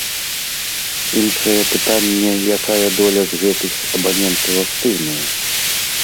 Іншае пытанне, якая доля з гэтых абанентаў актыўная.